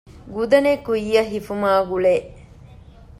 ގުދަނެއް ކުއްޔަށް ހިފުމާ ގުޅޭ